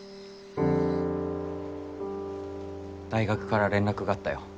大学から連絡があったよ。